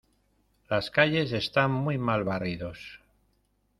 Las calles están muy mal barridos.